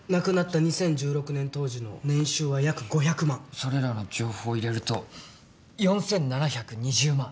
それらの情報を入れると４，７２０万。